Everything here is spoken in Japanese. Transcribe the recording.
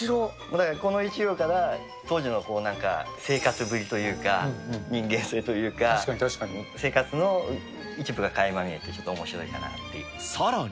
だからこの１行から、当時の生活ぶりというか、人間性というか、生活の一部がかいま見えて、ちょっとおもしろいさらに。